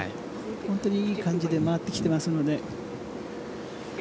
本当にいい感じで回ってきていますので。